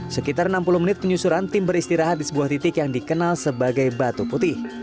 sekitar enam puluh menit penyusuran tim beristirahat di sebuah titik yang dikenal sebagai batu putih